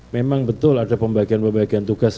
memang betul ada pembagian pembagian tugas